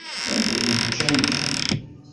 Anda ay yečča imekli?